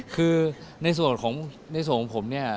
คือในส่วนของผมเนี่ย